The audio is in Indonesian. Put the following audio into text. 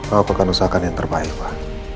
aku akan usahakan yang terbaik pak